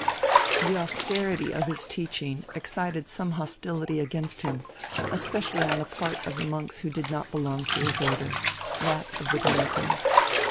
] The austerity of his teaching excited some hostility against him, especially on the part of the monks who did not belong to his order that of the Dominicans.